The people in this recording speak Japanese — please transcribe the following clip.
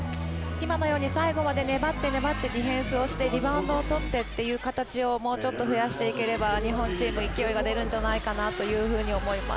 今のように最後まで粘って粘ってディフェンスをしてリバウンドを取ってという形が増やせれば日本チーム勢いが出るんじゃないかと思います。